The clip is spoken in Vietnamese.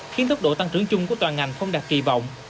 khiến tốc độ tăng trưởng chung của toàn ngành không đạt kỳ vọng